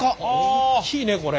大きいねこれ。